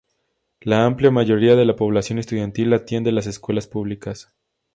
La amplia mayoría de la población estudiantil atiende las escuelas públicas.